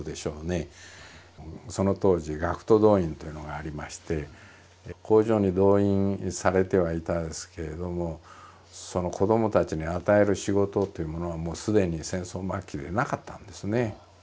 その当時学徒動員というのがありまして工場に動員されてはいたんですけれどもその子どもたちに与える仕事というものはもう既に戦争末期でなかったんですね。